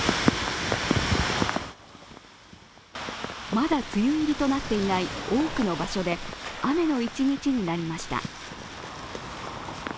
まだ梅雨入りとなっていない多くの場所で雨の一日になりました。